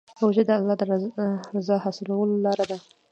روژه د الله د رضا حاصلولو لاره ده.